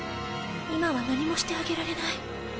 今は何もしてあげられない